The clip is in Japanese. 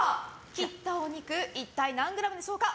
切ったお肉一体何グラムでしょうか。